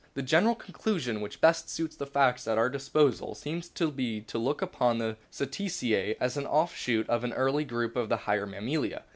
The general conclusion which best suits the facts at our disposal seems to be to look upon the Cetacea as an offshoot from an early group of the higher Mammalia.